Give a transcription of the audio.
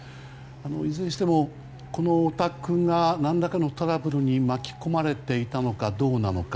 いずれにしても、このお宅が何らかのトラブルに巻き込まれていたのかどうなのか。